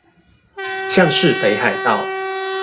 像是北海道